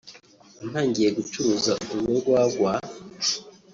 ntangiye gucuruza urwo rwagwa